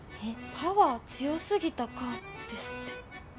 「パワー強すぎたか」ですって。